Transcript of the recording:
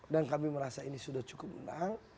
dan kami merasa ini sudah cukup menang